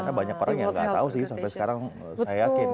karena banyak orang yang gak tahu sih sampai sekarang saya yakin ya